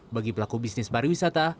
bagi pelaku bisnis pariwisata